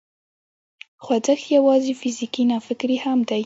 خوځښت یوازې فزیکي نه، فکري هم دی.